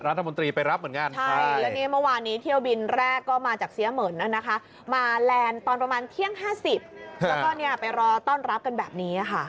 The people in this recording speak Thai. แล้วก็ไปรอต้อนรับกันแบบนี้ค่ะ